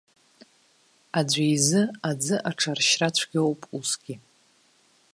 Аӡәы изы аӡы аҽаршьра цәгьоуп усгьы.